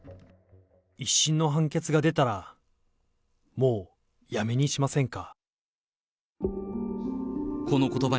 一審の判決が出たら、もうやめにしませんか。